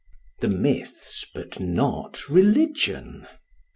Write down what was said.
The myths, but not religion!